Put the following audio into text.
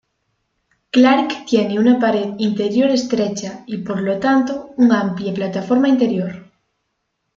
Clark tiene una pared interior estrecha, y por lo tanto un amplia plataforma interior.